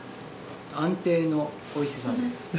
安定のおいしさです。